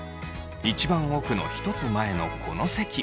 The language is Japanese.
一番奥の１つ前のこの席。